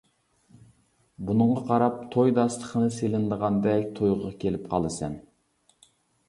بۇنىڭغا قاراپ توي داستىخىنى سېلىنىدىغاندەك تۇيغۇغا كېلىپ قالىسەن.